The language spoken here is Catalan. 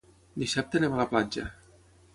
Dissabte anem a la platja.